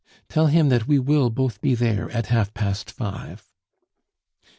"Tell him that we will both be there at half past five."